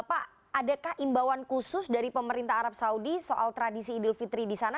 pak adakah imbauan khusus dari pemerintah arab saudi soal tradisi idul fitri di sana